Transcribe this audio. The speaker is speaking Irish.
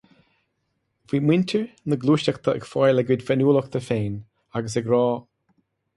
Bhí muintir na Gluaiseachta ag fáil a gcuid féiniúlachta féin agus ag rá,